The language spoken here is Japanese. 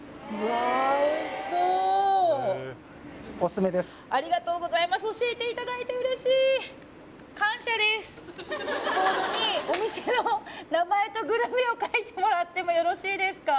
混ぜてありがとうございます教えていただいてうれしいボードにお店の名前とグルメを書いてもらってもよろしいですか？